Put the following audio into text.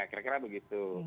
ya kira kira begitu